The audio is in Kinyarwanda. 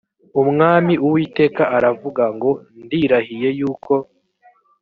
umwami uwiteka aravuga ngo ndirahiye yuko